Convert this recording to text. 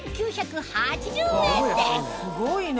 すごいな。